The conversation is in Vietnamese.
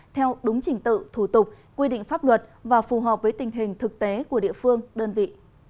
theo đúng trình tự thủ tục quy định pháp luật và phù hợp với tình hình thực tế của địa phương đơn vị